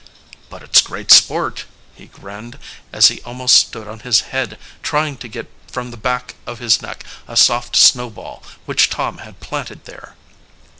"But it's great sport," he grinned, as he almost stood on his head trying to get from the back of his neck a soft snowball which Tom had planted there.